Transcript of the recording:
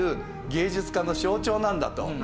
芸術家の象徴なんだと。